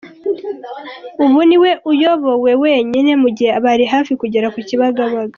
Ubu ni we uyobowe wenyine mu gihe bari hafi kugera ku Kibagabaga.